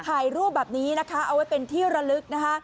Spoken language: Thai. ถ่ายรูปแบบนี้นะคะเอาไว้เป็นที่ระลึกนะคะ